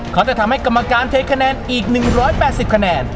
เขาจะทำให้กรรมการเทคะแนนอีก๑๘๐คะแนน